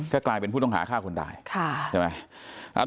ก็กลายเป็นผู้ต้องหาฆ่าคนตายใช่ไหม